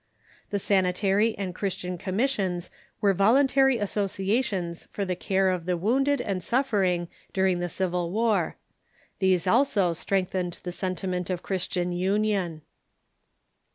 The Sanitary and Christian Commissions were voluntary associations for the care of the wounded and suffering during the Civil War. These also strengthened the sentiment of Christian union.